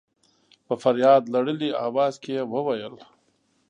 په فرياد لړلي اواز کې يې وويل.